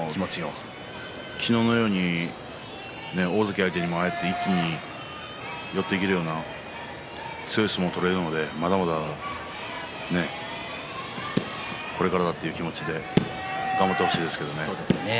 昨日のように大関相手にも、ああやって一気に寄っていけるような強い相撲を取れるのでまだまだこれからだ、という気持ちで頑張ってほしいですね。